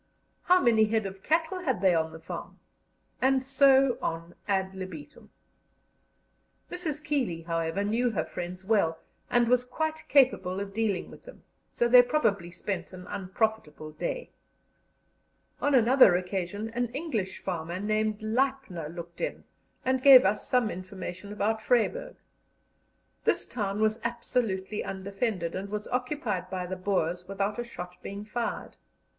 How many head of cattle had they on the farm? And so on ad libitum. Mrs. Keeley, however, knew her friends well, and was quite capable of dealing with them, so they probably spent an unprofitable day. On another occasion an English farmer named Leipner looked in, and gave us some information about Vryburg. This town was absolutely undefended, and was occupied by the Boers without a shot being fired.